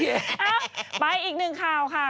เอ้าไปอีกหนึ่งข่าวค่ะ